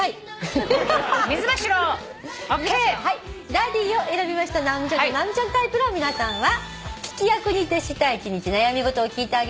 「ダディ」を選びました直美ちゃんと直美ちゃんタイプの皆さんは。